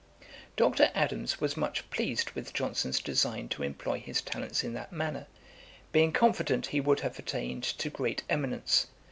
Dr. Adams was much pleased with Johnson's design to employ his talents in that manner, being confident he would have attained to great eminence.